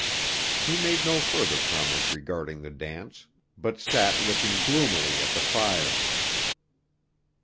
He made no further comment regarding the dance, but sat looking gloomily at the fire.